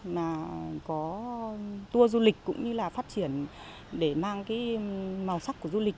mà có tour du lịch cũng như là phát triển để mang cái màu sắc của du lịch